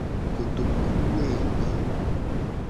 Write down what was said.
Kotokuwoenyi.